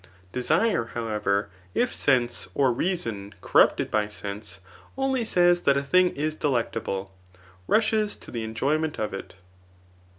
Desire, however, if sense, or rea son [corruptefd by sense39 only says that a thing isdelec table, rushes to the enjoyment of it.